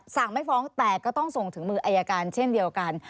ไม่ฟ้องแต่ก็ต้องส่งถึงมืออายการเช่นเดียวกัน